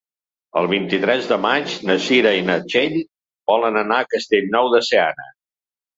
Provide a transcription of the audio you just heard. El vint-i-tres de maig na Cira i na Txell volen anar a Castellnou de Seana.